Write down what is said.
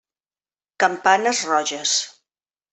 Campanes roges.